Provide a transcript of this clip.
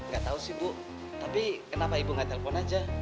gak tau sih bu tapi kenapa ibu nggak telpon aja